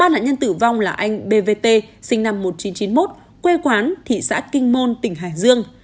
ba nạn nhân tử vong là anh bvt sinh năm một nghìn chín trăm chín mươi một quê quán thị xã kinh môn tỉnh hải dương